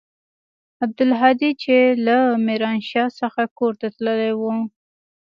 عبدالهادي چې له ميرانشاه څخه کور ته تللى و.